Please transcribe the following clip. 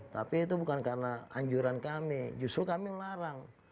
tapi itu bukan karena anjuran kami justru kami melarang